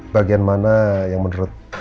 bagian mana yang menurut